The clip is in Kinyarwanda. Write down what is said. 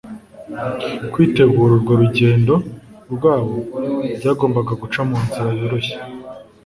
kwitegura urwo rugendo rwabo byagombaga guca mu nzira yoroshye